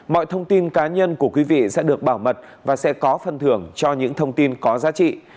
mọi thông tin cá nhân của quý vị sẽ được bảo mật và sẽ có phần thưởng cho những thông tin có giá trị